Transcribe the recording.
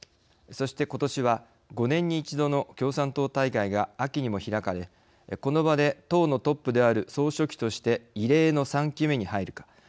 そして、ことしは５年に１度の共産党大会が秋にも開かれこの場で党のトップである総書記として異例の３期目に入るか。